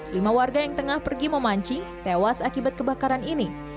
lima warga yang tengah pergi memancing tewas akibat kebakaran ini